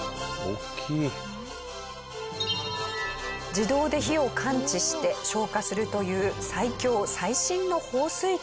自動で火を感知して消火するという最強最新の放水機。